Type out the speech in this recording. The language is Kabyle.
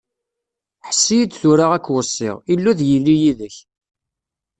Ḥess-iyi-d tura ad k-weṣṣiɣ, Illu ad yili yid-k!